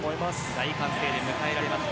大歓声で迎えられています。